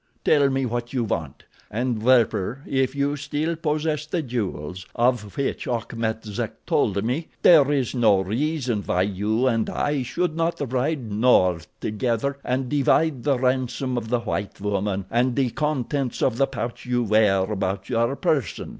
Tell me what you want, and, Werper, if you still possess the jewels of which Achmet Zek told me, there is no reason why you and I should not ride north together and divide the ransom of the white woman and the contents of the pouch you wear about your person.